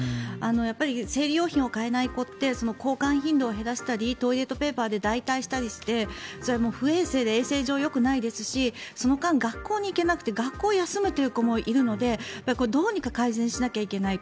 やっぱり生理用品を買えない子って交換頻度を減らしたりトイレットペーパーで代替したりしてそれは不衛生で衛生上よくないですしその間、学校に行けなくて学校を休む子がいるのでどうにか改善しないといけない。